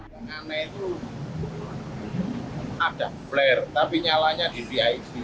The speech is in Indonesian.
yang aneh itu ada flare tapi nyalanya di vip